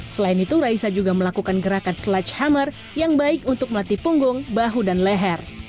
selain itu raisa juga melakukan gerakan sledge hammer yang baik untuk melatih punggung bahu dan leher